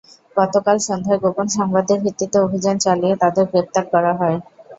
গতকাল সন্ধ্যায় গোপন সংবাদের ভিত্তিতে অভিযান চালিয়ে তাঁদের গ্রেপ্তার করা হয়।